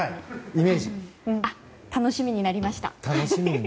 楽しみになりました。